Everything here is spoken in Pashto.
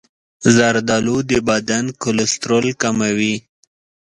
زردآلو د بدن کلسترول کموي.